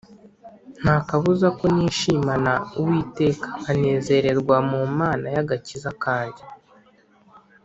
: nta kabuza ko nishimana Uwiteka, nkanezererwa mu Mana y’agakiza kanjye